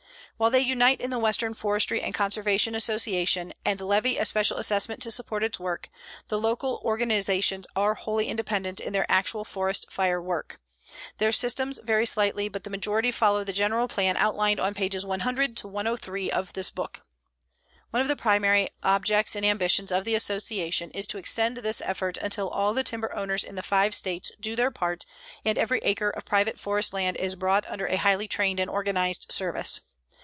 While they unite in the Western Forestry and Conservation Association, and levy a special assessment to support its work, the local organizations are wholly independent in their actual forest fire work. Their systems vary slightly, but the majority follow the general plan outlined on pages 100 103 of this booklet. One of the primary objects and ambitions of the Association is to extend this effort until all the timber owners in the five States do their part and every acre of private forest land is brought under a highly trained and organized service.